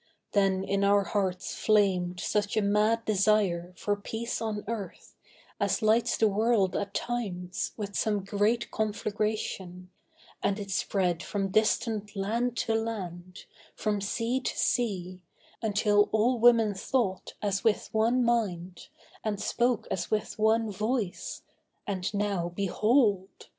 Then in our hearts flamed such a mad desire For peace on earth, as lights the world at times With some great conflagration; and it spread From distant land to land, from sea to sea, Until all women thought as with one mind And spoke as with one voice; and now behold!